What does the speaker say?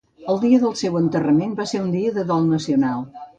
El dia del seu enterrament va ser un dia de dol nacional.